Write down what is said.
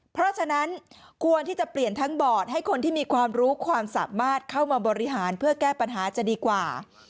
เพราะฉะนั้นควรที่จะเปลี่ยนทั้งบอร์ดให้คนที่มีความรู้ความสามารถเข้ามาบริหารเพื่อแก้ปัญหาจะดีกว่า